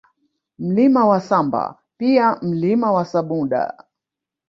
Mlima wa Samba pia Mlima wa Samuda